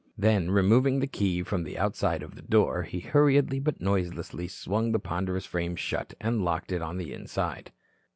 Then removing the key from the outside of the door, he hurriedly but noiselessly swung the ponderous frame shut, and locked it on the inside.